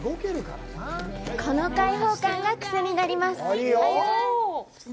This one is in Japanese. この開放感がくせになります。